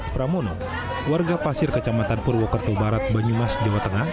pramono warga pasir kecamatan purwokerto barat banyumas jawa tengah